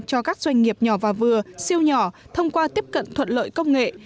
cho các doanh nghiệp nhỏ và vừa siêu nhỏ thông qua tiếp cận thuận lợi công nghệ